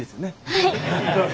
はい！